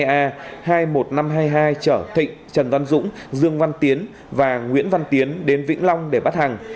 ba mươi a hai mươi một nghìn năm trăm hai mươi hai chở thịnh trần văn dũng dương văn tiến và nguyễn văn tiến đến vĩnh long để bắt hàng